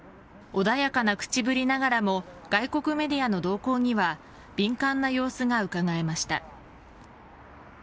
穏やかな口ぶりながらも、外国メディアの動向には敏感な様子がうかがえました。